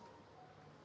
sempat menabrak anggota